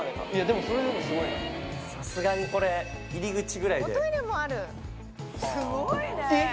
さすがにこれ入り口ぐらいで。